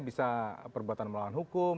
bisa perbuatan melawan hukum